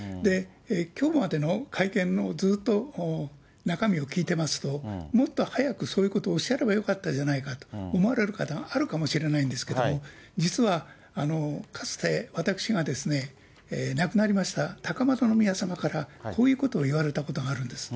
きょうまでの会見のずっと中身を聞いてますと、もっと早くそういうことをおっしゃればよかったじゃないかと思われる方もあるかもしれないんですけれども、実は、かつて私が、亡くなりました高円宮さまから、こういうことを言われたことがあるんです。